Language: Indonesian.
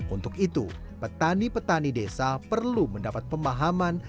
untuk itu petani petani desa perlu mendapat pemahaman